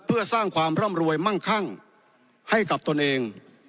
เพื่อสร้างความร่ำรวยมั่งคั่งให้กับตนเอง